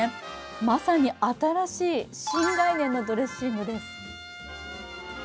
まさに新しい、新概念のドレッシングです。